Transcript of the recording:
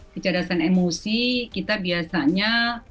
kecerdasan emosi kita biasanya